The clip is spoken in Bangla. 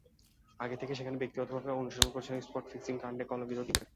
আগে থেকে সেখানে ব্যক্তিগতভাবে অনুশীলন করছিলেন স্পট ফিক্সিং-কাণ্ডে কলঙ্কিত তিন ক্রিকেটার।